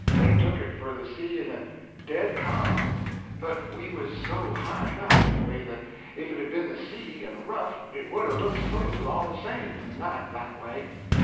They took it for the sea in a dead ca'm; but we was so high up, anyway, that if it had been the sea and rough, it would 'a' looked smooth, all the same, in the night, that way.